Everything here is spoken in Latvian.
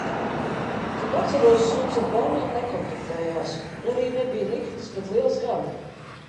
Cik atceros suns ar bērniem nekontaktējās un arī nebija nikns, bet liels gan.